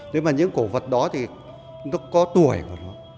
thế mà những cổ vật đó thì nó có tuổi của nó